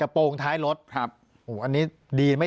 ปากกับภาคภูมิ